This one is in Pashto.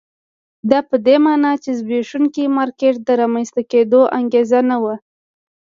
دا په دې معنی چې د زبېښونکي مارکېټ د رامنځته کېدو انګېزه نه وه.